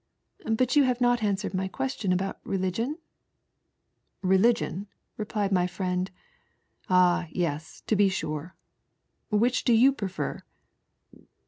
" But yon have not answered my question about religion ?" "Religion?" replied my friend; "Ah, yes to be sore. Which do you prefer